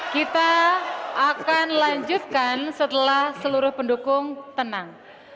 kita akan lanjutkan setelah seluruh pendukung tenang